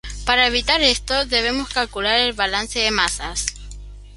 Para evitar esto, debemos calcular el balance de masas.